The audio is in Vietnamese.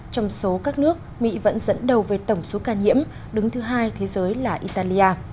trong số các nước mỹ vẫn dẫn đầu về tổng số ca nhiễm đứng thứ hai thế giới là italia